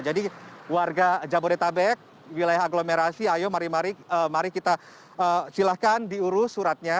jadi warga jabodetabek wilayah agglomerasi ayo mari kita silakan diurus suratnya